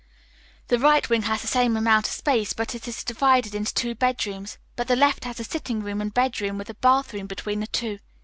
The right wing has the same amount of space, but it is divided into two bedrooms. But the left has a sitting room and bedroom, with a bathroom between the two.